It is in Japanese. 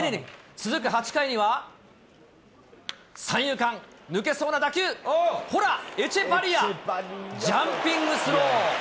続く８回には、三遊間、抜けそうな打球、ほら、エチェバリア、ジャンピングスロー。